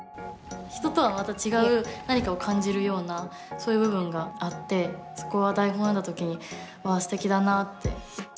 人とはまた違う何かを感じるようなそういう部分があってそこは台本を読んだ時にわあすてきだなって。